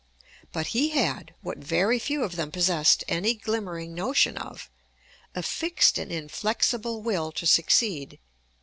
But he had, what very few of them possessed any glimmering notion of, a fixed and inflexible will to succeed.